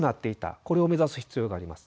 これを目指す必要があります。